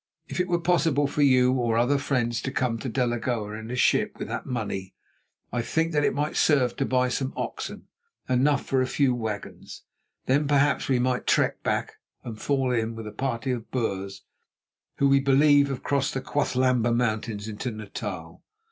If it were possible for you or other friends to come to Delagoa in a ship with that money, I think that it might serve to buy some oxen, enough for a few wagons. Then perhaps we might trek back and fall in with a party of Boers who, we believe, have crossed the Quathlamba Mountains into Natal.